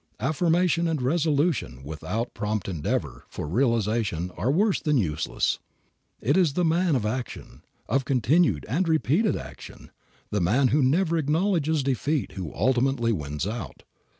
Affirmation and resolution without prompt endeavor for realization are worse than useless. It is the man of action, of continued and repeated action, the man who never acknowledges defeat who ultimately wins out.